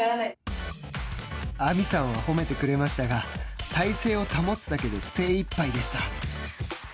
亜実さんは褒めてくれましたが体勢を保つだけで精いっぱいでした。